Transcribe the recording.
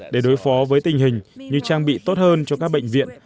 để đối phó với tình hình như trang bị tốt hơn cho các bệnh viện